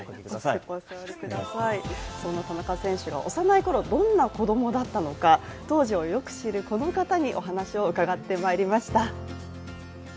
そんな田中選手は幼い頃どんな子供だったのか当時をよく知る、この方にお話を伺ってまいりました。